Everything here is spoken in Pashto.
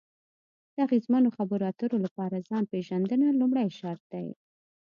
د اغیزمنو خبرو اترو لپاره ځان پېژندنه لومړی شرط دی.